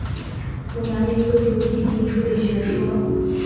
湖南民族主义提出的学说。